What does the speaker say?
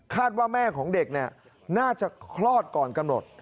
ว่าแม่ของเด็กน่าจะคลอดก่อนกำหนด